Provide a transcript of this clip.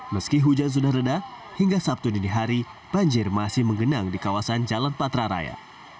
meski hujan sudah reda hingga sabtu dini hari banjir masih menggenang di kawasan jalan patra raya